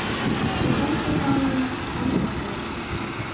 Ушан-шотанын шӱм коржеш